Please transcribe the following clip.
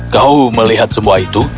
kau melihat semua itu